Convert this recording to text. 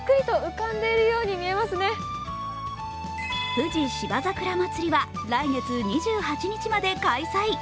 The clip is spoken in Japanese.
富士芝桜まつりは来月２８日まで開催。